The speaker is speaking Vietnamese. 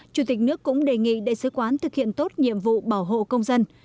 chủ tịch nước cũng đề nghị đại sứ quán thực hiện tốt nhiệm vụ bảo hộ công dân